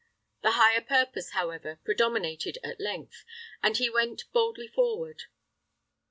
The higher purpose, however, predominated at length, and he went boldly forward.